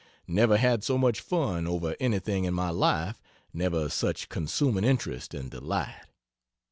Never had so much fun over anything in my life never such consuming interest and delight.